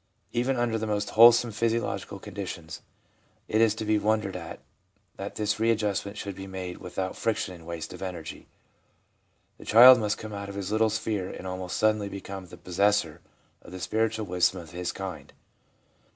Even under the most wholesome physiological conditions, it is to be wondered at that this readjustment should be made without friction and waste of energy. The child must come out of his little sphere and almost suddenly become the possessor of the spiritual wisdom of his kind.